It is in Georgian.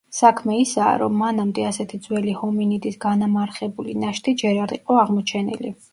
საქმე ისაა, რომ მანამდე ასეთი ძველი ჰომინიდის განამარხებული ნაშთი ჯერ არ იყო აღმოჩენილი.